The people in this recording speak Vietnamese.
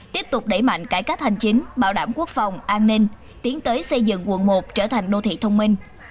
tiếp tục đẩy mạnh cải cách hành chính bảo đảm quốc phòng an ninh tiến tới xây dựng quận một trở thành đô thị thông minh